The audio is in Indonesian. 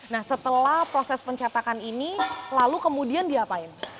nah setelah proses pencetakan ini lalu kemudian diapain